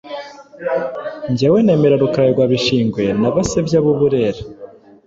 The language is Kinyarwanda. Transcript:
Njyewe nemera Rukara rwa Bishingwe na Basebya b’uburera.